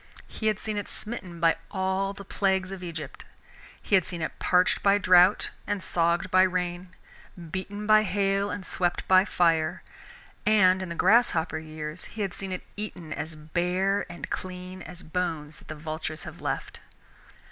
He had seen it smitten by all the plagues of Egypt. He had seen it parched by drought, and sogged by rain, beaten by hail, and swept by fire, and in the grasshopper years he had seen it eaten as bare and clean as bones that the vultures have left.